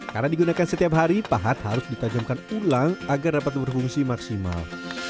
karena digunakan setiap hari pahat harus ditanjamkan ulang agar dapat berfungsi maksimal